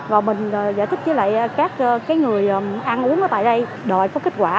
và mình giải thích với lại các người ăn uống ở tại đây đội có kết quả